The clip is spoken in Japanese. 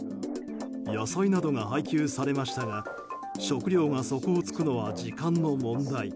野菜などが配給されましたが食料が底をつくのは時間の問題。